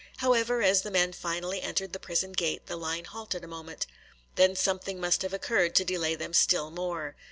However, as the men finally entered the prison gate the line halted a moment. Then something must have occurred to delay them still more.